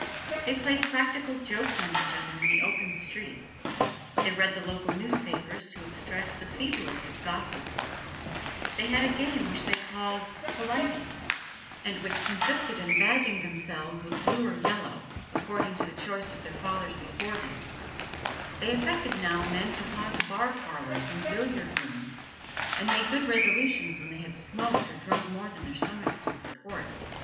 They played practical jokes on each other in the open streets; they read the local newspapers to extract the feeblest of gossip; they had a game which they called polities, and which consisted in badging themselves with blue or yellow, according to the choice of their fathers before them; they affected now and then to haunt bar parlours and billiard rooms, and made good resolutions when they had smoked or drunk more than their stomachs would support.